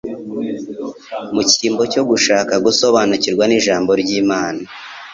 Mu cyimbo cyo gushaka gusobanukirwa n'Ijambo ry'Imana,